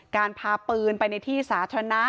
การพาปืนไปในที่สาธารณะ